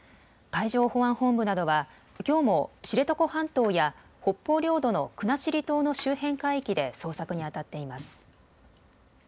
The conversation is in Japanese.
海上保安本部などはきょうも知床半島や北方領土の国後島の周辺海域で捜索にあたっています。